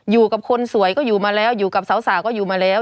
อยู่กับคนสวยก็อยู่มาแล้วอยู่กับสาวก็อยู่มาแล้ว